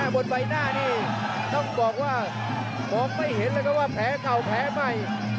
บนใบหน้านนี้ต้องบอกว่าฟองไม่เห็นคือแผลเข่าแผลไม่